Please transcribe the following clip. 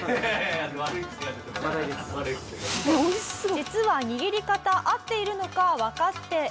「実は握り方合っているのかわかっていません」